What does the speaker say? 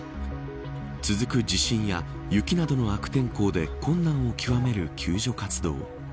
続く地震や雪などの悪天候で困難を極める救助活動。